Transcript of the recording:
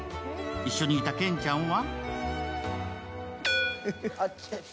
一緒にいたケンちゃんは？